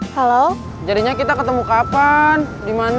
kalo aku bisa bersama kak deden